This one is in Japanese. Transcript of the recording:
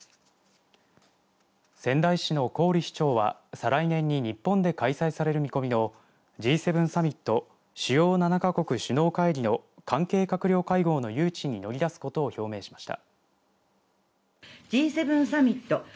仙台市の郡市長は再来年に日本で開催される見込みのＧ７サミット主要７か国首脳会議の関係閣僚会合の誘致に乗り出すことを表明しました。